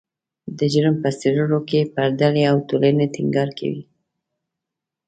د جرم په څیړلو کې پر ډلې او ټولنې ټینګار کوي